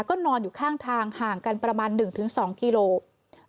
แล้วก็นอนอยู่ข้างทางห่างกันประมาณหนึ่งถึงสองกิโลกรัม